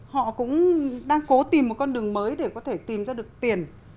họ cũng đang cố tìm một con đường mới để có thể tìm ra được tiền